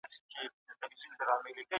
کور زده کړه له ستونزو خالي نه ده.